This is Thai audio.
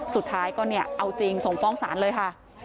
สุดท้ายก็เอาจริงส่งฟ้องสารเลยค่ะ